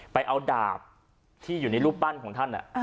ไปเอาดาบที่อยู่ในรูปปั้นของท่าน